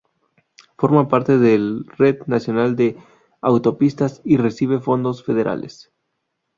Forma parte del Red Nacional de Autopistas y recibe fondos federales.